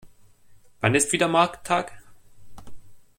Wann ist wieder Markttag?